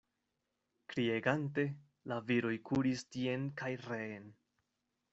Kriegante, la viroj kuris tien kaj reen.